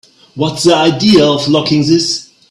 What's the idea of locking this?